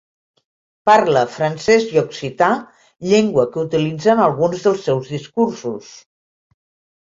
Parla francès i occità, llengua que utilitza en alguns dels seus discursos.